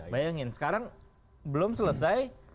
bayangin sekarang belum selesai